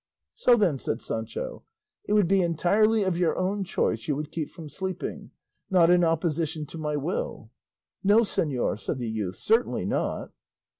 "So then," said Sancho, "it would be entirely of your own choice you would keep from sleeping; not in opposition to my will?" "No, señor," said the youth, "certainly not."